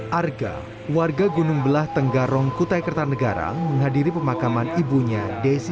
hai arga warga gunung belah tenggarong kutai kertanegara menghadiri pemakaman ibunya desi